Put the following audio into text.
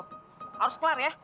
harus kelar ya